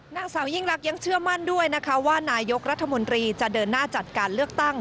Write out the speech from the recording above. นางสาวยิ่งรักยังเชื่อมั่นด้วยนะคะว่านายกรัฐมนตรีจะเดินหน้าจัดการเลือกตั้ง